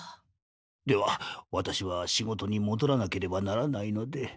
ではワタシは仕事にもどらなければならないので。